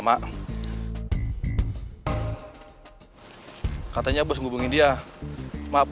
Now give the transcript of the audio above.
ya ada speak nya juga gimana sih